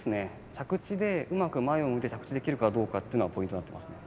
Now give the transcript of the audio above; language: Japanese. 着地でうまく前を向いて着地できるかどうかっていうのはポイントになってますね。